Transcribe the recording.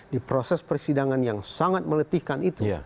di proses persidangan yang sangat meletihkan itu